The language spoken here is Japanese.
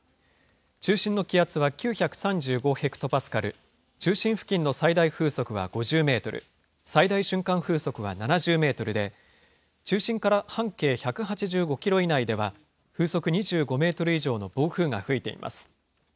中心の気圧は９３５ヘクトパスカル、中心付近の最大風速は５０メートル、最大瞬間風速は７０メートルで、中心から半径１８５キロ以内では、風速２５メートル以上の暴風が吹いています。